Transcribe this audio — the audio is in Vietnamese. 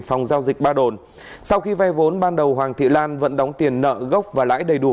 phòng giao dịch ba đồn sau khi vay vốn ban đầu hoàng thị lan vẫn đóng tiền nợ gốc và lãi đầy đủ